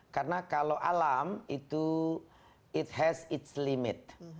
karena kalau alam itu it has its limit